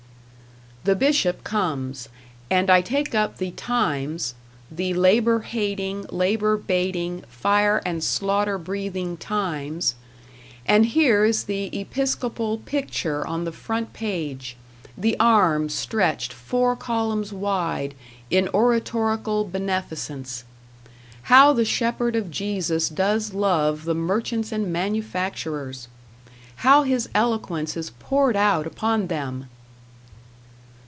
The Bishop comes; and I take up the "Times" the labor hating, labor baiting, fire and slaughter breathing "Times" and here is the episcopal picture on the front page, the arms stretched four columns wide in oratorical beneficence. How the shepherd of Jesus does love the Merchants and Manufacturers! How his eloquence is poured out upon them!